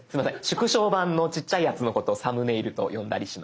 縮小版のちっちゃいやつのことを「サムネイル」と呼んだりします。